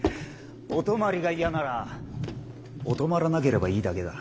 お泊まりが嫌ならお泊まらなければいいだけだ。